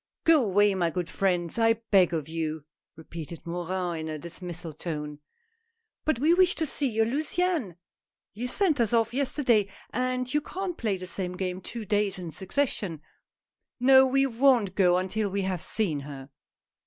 " Go away my good friends, I beg of you," repeated Morin, in a dismal tone. " But we wish to see your Luciane. You sent us off yesterday, and you can't play the same game two days in succession. No, we won't go until we have seen her!"